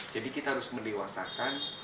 jadi kita harus mendewasakan